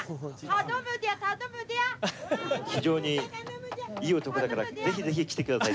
非常にいい男だからぜひぜひ来てください。